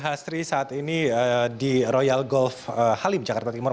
karena memang sejauh ini kita masih berada di royal golf halim jakarta timur